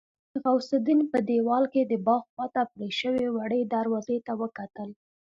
غوث الدين په دېوال کې د باغ خواته پرې شوې وړې دروازې ته وکتل.